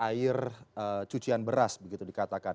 air cucian beras begitu dikatakan